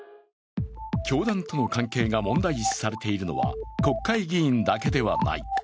教団との関係が問題視されているのは国会議員だけではない。